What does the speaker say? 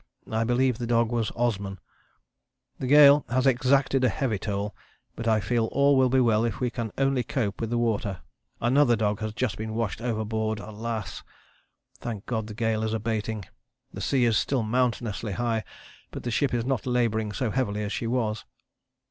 [I believe the dog was Osman.] The gale has exacted heavy toll, but I feel all will be well if we can only cope with the water. Another dog has just been washed overboard alas! Thank God the gale is abating. The sea is still mountainously high but the ship is not labouring so heavily as she was."